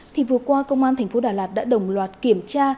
thì vừa qua công an thành phố đà lạt đã đồng loạt kiểm tra